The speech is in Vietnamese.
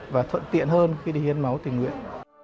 và thuận tiện hơn khi đi hiến máu tình nguyện